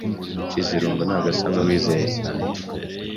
Nshizirungu ntabwo asa nuwizeye cyane.